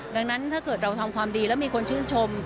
ดังนั้นถ้าเกิดเราทำความดีแล้วมีคนชื่นชม